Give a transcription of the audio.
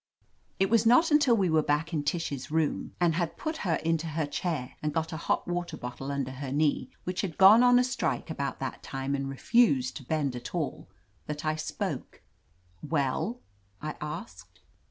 It was not until we were back in Tish's room, and had put her into her chair and got a hot water bottle under her knee, which had gone on a strike about that time and refused to bend at all, that I spoke. "Well?" I asked.